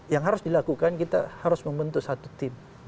yang harus dilakukan kita harus membentuk satu tim